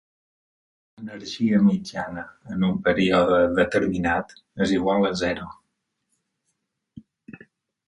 L'energia mitjana en un període determinat és igual a zero.